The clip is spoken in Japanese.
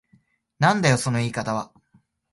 なんだよその言い方は。